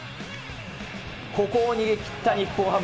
ここを逃げ切った日本ハム。